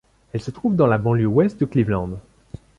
Elle se trouve dans la banlieue ouest de Cleveland.